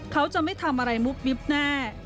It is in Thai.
เขาจะไม่ทำอะไรมุบมิบแน่